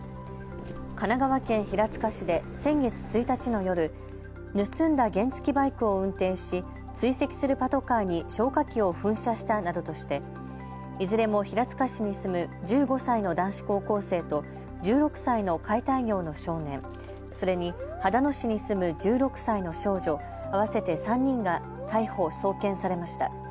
神奈川県平塚市で先月１日の夜、盗んだ原付きバイクを運転し追跡するパトカーに消火器を噴射したなどとしていずれも平塚市に住む１５歳の男子高校生と１６歳の解体業の少年、それに秦野市に住む１６歳の少女合わせて３人が逮捕・送検されました。